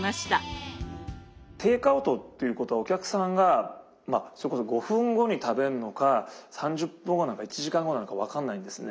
テイクアウトっていうことはお客さんがまあそれこそ５分後に食べるのか３０分後なのか１時間後なのか分かんないんですね。